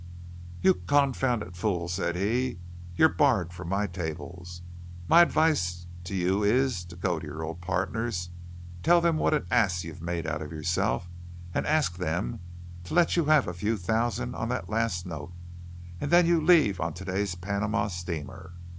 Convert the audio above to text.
"You confounded fool," said he, "you're barred from my tables. My advice to you is to go to your old partners, tell them what an ass you've made of yourself, and ask them to let you have a few thousand on that last note. And then you leave on to day's Panama steamer.